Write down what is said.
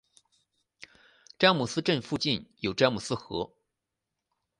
詹姆斯镇附近有詹姆斯河。